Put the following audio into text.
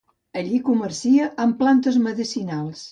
Allí comercia amb les plantes medicinals.